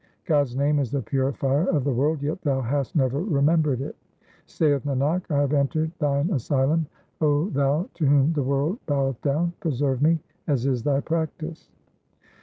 God's name is the purifier of the world, yet thou hast never remembered it. Saith Nanak, I have entered Thine asylum ; O Thou to whom the world boweth down, preserve me as is Thy practice.